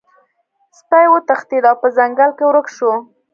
سپی وتښتید او په ځنګل کې ورک شو.